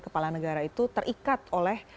kepala negara itu terikat oleh